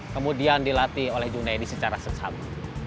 kemudian dilatih oleh junedi secara seksama